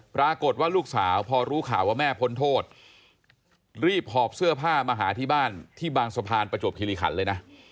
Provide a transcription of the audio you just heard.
ปรากฏว่าลูกสาวพอรู้ข่าวว่าแม่พ้นโทษรีบหอบเสื้อผ้ามาหาที่บ้านที่บางสะพานประจวบคิริขันเลยนะ